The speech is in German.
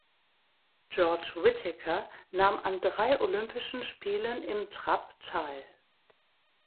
George Whitaker nahm an drei Olympischen Spielen im Trap teil.